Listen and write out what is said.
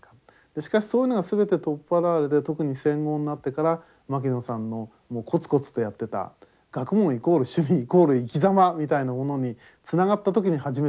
しかしそういうのが全て取っ払われて特に戦後になってから牧野さんのコツコツとやってた学問イコール趣味イコール生きざまみたいなものにつながった時に初めて評価された。